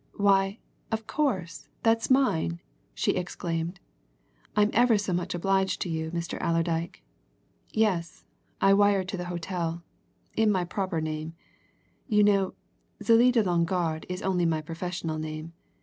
"Why, of course, that's mine!" she exclaimed. "I'm ever so much obliged to you, Mr. Allerdyke. Yes, I wired to the hotel, in my proper name, you know Zélie de Longarde is only my professional name.